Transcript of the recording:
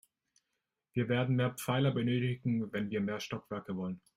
Wir werden mehr Pfeiler benötigen, wenn wir mehr Stockwerke wollen.